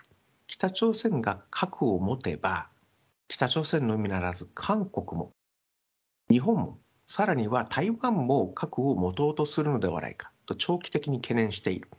北朝鮮が核を持てば、北朝鮮のみならず、韓国も日本も、さらには台湾も核を持とうとするのではないかと、長期的に懸念している。